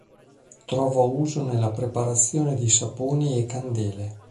Trova uso nella preparazione di saponi e candele..